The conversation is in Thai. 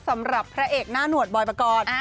สำหรับพระเอกหน้าหนวดบอยปกรณ์